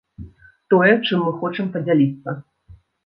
Тое, чым мы хочам падзяліцца.